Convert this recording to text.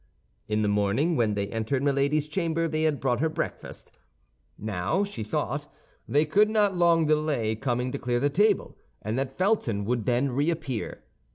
In the morning, when they entered Milady's chamber they had brought her breakfast. Now, she thought, they could not long delay coming to clear the table, and that Felton would then reappear.